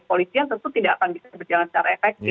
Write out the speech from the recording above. polisian tentu tidak akan bisa berjalan secara efektif